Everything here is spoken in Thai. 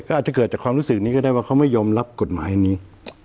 ก็อาจจะเกิดจากความรู้สึกนี้ก็ได้ว่าเขาไม่ยอมรับกฎหมายอันนี้